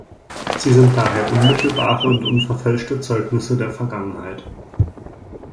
Sie sind daher unmittelbare und unverfälschte Zeugnisse der Vergangenheit.